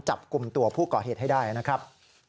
จับกลุ่มตัวผู้ก่อเหตุให้ได้นะครับ